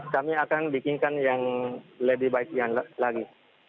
kami akan bikinkan yang lebih baik lagi